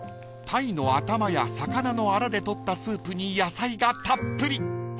［タイの頭や魚のアラで取ったスープに野菜がたっぷり！］